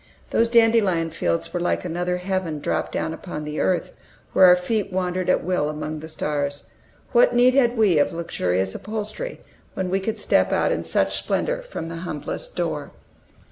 Those dandelion fields were like another heaven dropped down upon the earth, where our feet wandered at will among the stars. What need had we of luxurious upholstery, when we could step out into such splendor, from the humblest door?